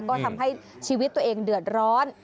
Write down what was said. ก็ทำให้ชีวิตตัวเองเดือดร้อน